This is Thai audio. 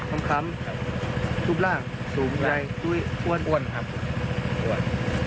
คำคำทุบร่างสูงใกล้ทุบอ้วนอ้วนครับอ้วน